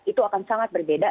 itu akan sangat berbeda